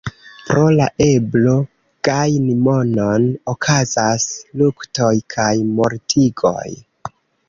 Pro la eblo gajni monon okazas luktoj kaj mortigoj.